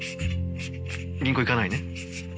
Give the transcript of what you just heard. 銀行行かないね？